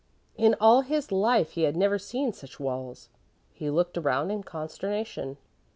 In all his life he had never seen such walls. He looked around in consternation.